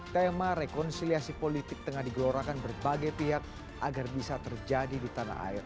tema rekonsiliasi politik tengah digelorakan berbagai pihak agar bisa terjadi di tanah air